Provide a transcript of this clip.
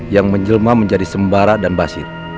yang menjelma menjadi sembara dan basir